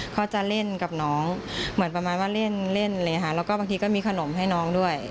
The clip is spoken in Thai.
เขาจะเล่นกับน้องเหมือนประมาณว่าเล่นเล่นเลยค่ะแล้วก็บางทีก็มีขนมให้น้องด้วย